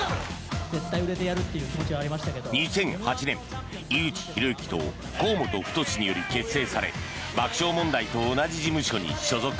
２００８年、井口浩之と河本太により結成され爆笑問題と同じ事務所に所属。